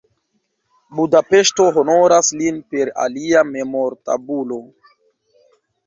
Budapeŝto honoras lin per alia memortabulo.